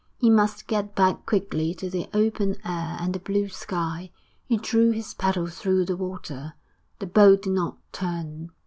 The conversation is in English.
He must get back quickly to the open air and the blue sky. He drew his paddle through the water. The boat did not turn.